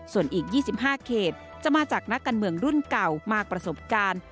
ส่วนอีก๒๕เขตจะมาจากนักการเมืองรุ่นเก่ามากประสบการณ์